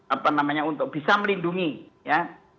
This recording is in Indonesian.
apa namanya untuk bisa melindungi ya